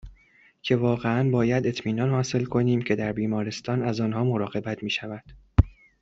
که واقعاً باید اطمینان حاصل کنیم که در بیمارستان از آنها مراقبت میشود